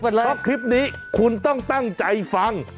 ครอบทริปนี้คุณต้องตั้งใจฟัง